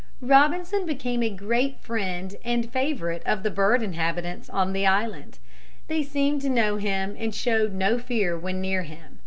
Robinson became a great friend and favorite of the bird inhabitants of the island. They seemed to know him and showed no fear when near him.